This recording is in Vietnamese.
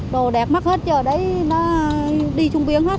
đồ đẹp mắc hết giờ đấy nó đi trung biến hết